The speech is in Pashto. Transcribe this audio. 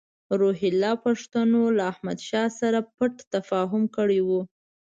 روهیله پښتنو له احمدشاه سره پټ تفاهم کړی وو.